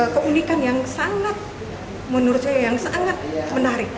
keunikan yang sangat menurut saya yang sangat menarik